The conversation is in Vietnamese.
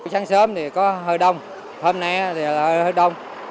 sáng sớm thì có hơi đông hôm nay thì hơi đông